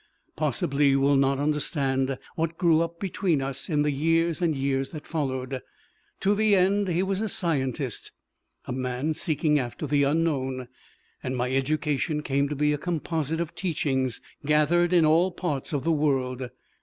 Possibly you will not understand what grew up between us in the years and years that followed. To the end he was a scientist, a man seeking after the unknown, and my education came to be a composite of teachings gathered in all parts of the world.